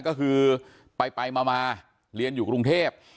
ก็คือไปมาเรียนอยู่กรุงเทพ